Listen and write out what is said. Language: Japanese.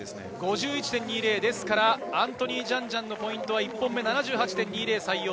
５１．２０、ですからアントニー・ジャンジャンのポイントは１本目の７８．２０が採用。